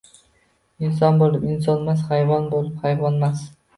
Inson bo’lib insonmas, hayvon bo’lib hayvonmas.